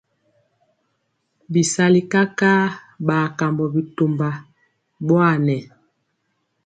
Bisali kakaa ɓa kambɔ bitomba ɓowanɛ.